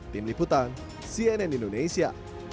tim liputan cnn indonesia